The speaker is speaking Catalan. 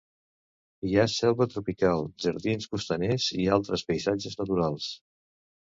Hi ha selva tropical, jardins costaners i altres paisatges naturals.